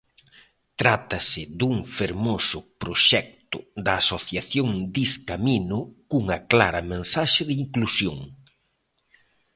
Trátase dun fermoso proxecto da Asociación Discamino cunha clara mensaxe de inclusión.